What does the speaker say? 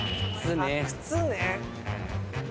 靴ね。